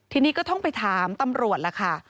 ทีนี้ก็ต้องไปถามตำรวจล่ะค่ะ